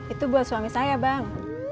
itu buat suami saya bang